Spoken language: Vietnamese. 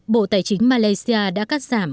bộ tài chính malaysia đã cắt giảm